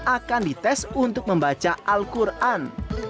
akan dites untuk membaca al quran